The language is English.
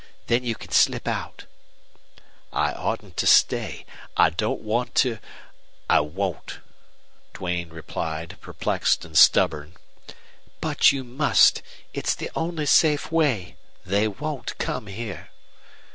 Then you can slip out." "I oughtn't to stay. I don't want to I won't," Duane replied, perplexed and stubborn. "But you must. It's the only safe way. They won't come here."